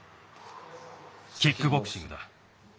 キックボクシングだ。